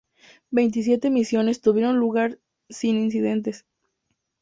Veintisiete misiones tuvieron lugar sin incidentes.